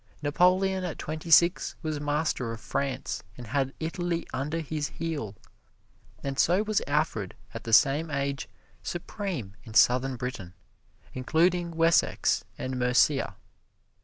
Napoleon at twenty six was master of France and had Italy under his heel, and so was Alfred at the same age supreme in Southern Britain including Wessex and Mercia.